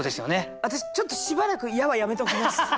私ちょっとしばらく「や」はやめときます。